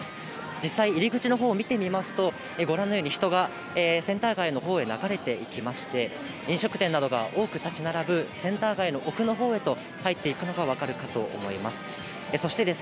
実際、入り口の方を見てみますと、ご覧のように、人がセンター街のほうへ流れていきまして、飲食店などが多く建ち並ぶセンター街の奥のほうへと入っていくのが分かるかと思います。